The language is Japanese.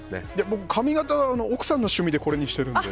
僕、髪形奥さんの趣味でこれにしてるので。